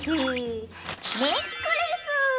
ネックレス！